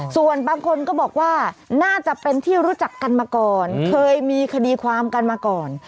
ส่วนบางคนก็บอกว่าน่าจะเป็นที่รู้จักกันมาก่อนเคยมีคดีความกันมาก่อน